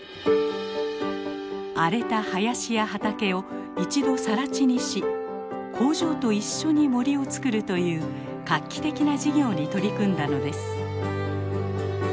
荒れた林や畑を一度さら地にし工場と一緒に森をつくるという画期的な事業に取り組んだのです。